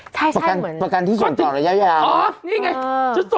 ประกันที่ส่วนต่อระยะยาว